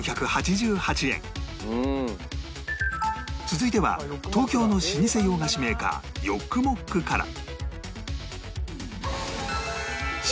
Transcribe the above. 続いては東京の老舗洋菓子メーカーヨックモックから